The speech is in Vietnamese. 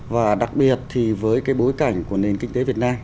và đặc biệt thì với cái bối cảnh của nền kinh tế việt nam